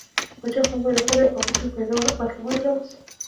باچا هم وویل ښه دی او غښتلی پهلوان یې راووست.